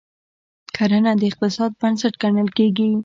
کرنه د اقتصاد بنسټ ګڼل کیږي.